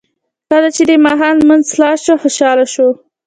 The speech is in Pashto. کله چې د ماښام لمونځ خلاص شو خوشاله شو.